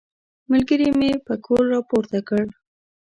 ملګري مې پکول راپورته کړ.